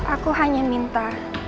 aku hanya minta